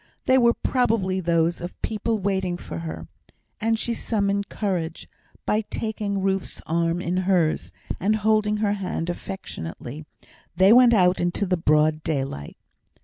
They were probably those of people waiting for her; and she summoned courage, and taking Ruth's arm in hers, and holding her hand affectionately, they went out into the broad daylight.